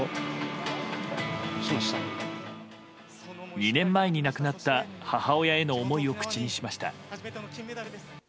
２年前に亡くなった母親への思いを口にしました。